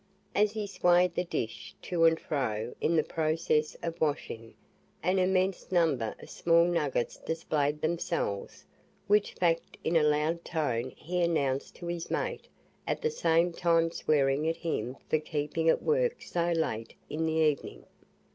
As he swayed the dish to and fro in the process of washing, an immense number of small nuggets displayed themselves, which fact in a loud tone he announced to his "mate", at the same time swearing at him for keeping at work so late in the evening.